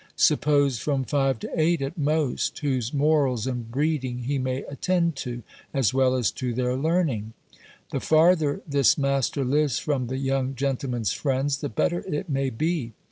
_ suppose from five to eight at most; whose morals and breeding he may attend to, as well as to their learning? The farther this master lives from the young gentleman's friends, the better it may be.